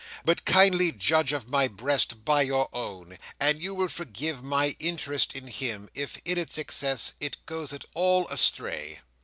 But, kindly judge of my breast by your own, and you will forgive my interest in him, if in its excess, it goes at all astray."